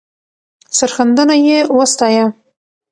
سرښندنه یې وستایه.